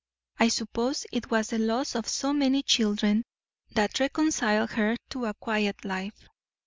"I suppose it was the loss of so many children that reconciled her to a quiet life.